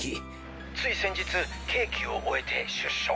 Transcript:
つい先日刑期を終えて出所。